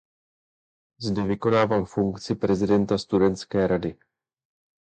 Zde vykonával funkci prezidenta studentské rady.